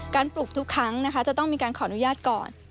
การปลูกทุกครั้งจะต้องมีการขออนุญาตก่อน